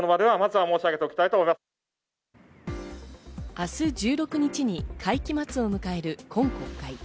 明日１６日に会期末を迎える今国会。